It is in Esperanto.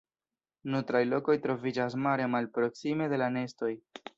Nutraj lokoj troviĝas mare malproksime de la nestoj.